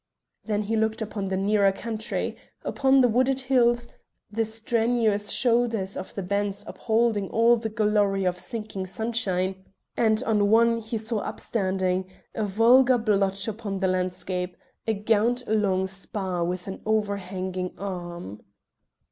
Then he looked upon the nearer country, upon the wooded hills, the strenuous shoulders of the bens upholding all that glory of sinking sunshine, and on one he saw upstanding, a vulgar blotch upon the landscape, a gaunt long spar with an overhanging arm.